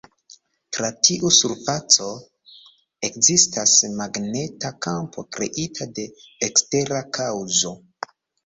Tra tiu surfaco ekzistas magneta kampo kreita de ekstera kaŭzo.